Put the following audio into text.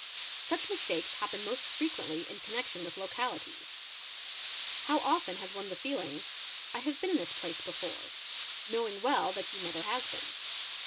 uch mistakes happen most frequently in connection with localities ; ow often has one the feeling, "I have been in this place before," lowing well that he never has been.